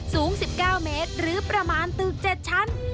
สูง๑๙เมตรหรือประมาณตึก๗ชั้น